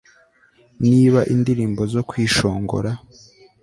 niba indirimbo zo kwishongora